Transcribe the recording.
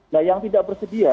nah yang tidak bersedia